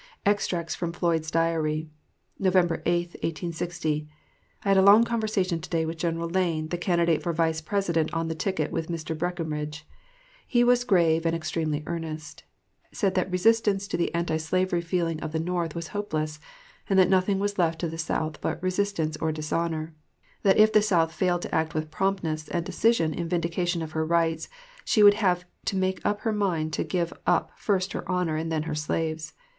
EXTRACTS FROM FLOYD'S DIARY. November 8, 1860 ... I had a long conversation to day with General Lane, the candidate for Vice President on the ticket with Mr. Breckinridge. He was grave and extremely earnest; said that resistance to the anti slavery feeling of the North was hopeless, and that nothing was left to the South but "resistance or dishonor"; that if the South failed to act with promptness and decision in vindication of her rights, she would have to make up her mind to give up first her honor and then her slaves.